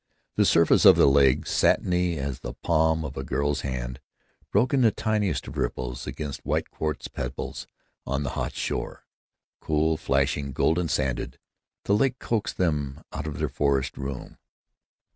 The surface of the lake, satiny as the palm of a girl's hand, broke in the tiniest of ripples against white quartz pebbles on the hot shore. Cool, flashing, golden sanded, the lake coaxed them out of their forest room.